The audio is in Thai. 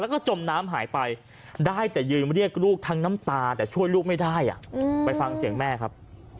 แล้วก็จมน้ำหายไปได้แต่ยืนเรียกลูกทั้งน้ำตาแต่ช่วยลูกไม่ได้ไปฟังเสียงแม่ครับ